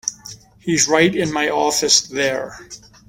He's right in my office there.